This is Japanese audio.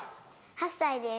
８歳です。